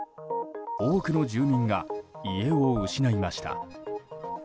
多くの住民が家を失いました。